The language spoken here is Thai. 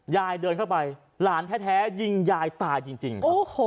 เดินเข้าไปหลานแท้ยิงยายตายจริง